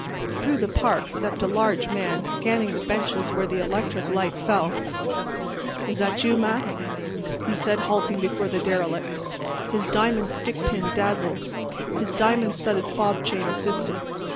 Through the park stepped a large man scanning the benches where the electric light fell. "Is that you, Mac?" he said, halting before the derelicts. His diamond stickpin dazzled. His diamond studded fob chain assisted.